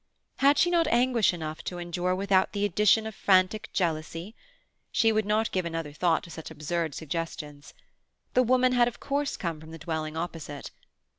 Had she not anguish enough to endure without the addition of frantic jealousy? She would not give another thought to such absurd suggestions. The woman had of course come from the dwelling opposite.